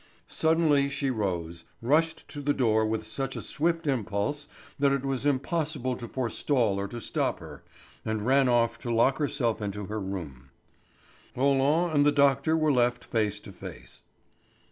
Suddenly she rose, rushed to the door with such a swift impulse that it was impossible to forestall or to stop her, and ran off to lock herself into her room. Roland and the doctor were left face to face.